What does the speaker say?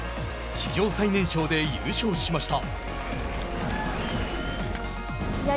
史上最年少で優勝しました。